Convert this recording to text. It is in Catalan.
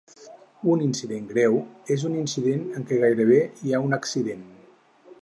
Un "incident greu" és un incident en què gairebé hi ha un accident.